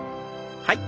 はい。